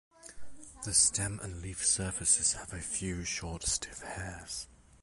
The stem and leaf surfaces have a few short, stiff hairs.